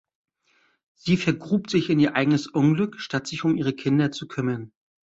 Sie vergrub sich in ihr eigenes Unglück, statt sich um ihre Kinder zu kümmern.